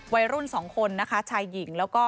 วัยรุ่น๒คนชายหญิงแล้วก็